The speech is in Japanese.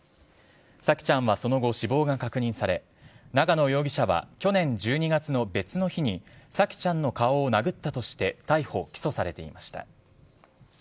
沙季ちゃんはその後、死亡が確認され、長野容疑者は去年１２月の別の日に、沙季ちゃんの顔を殴ったとして逮捕・起訴されていました。